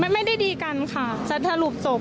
ไม่ได้ดีกันค่ะจะสรุปจบ